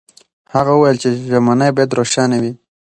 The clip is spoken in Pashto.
هغه وویل چې ژمنې باید روښانه وي.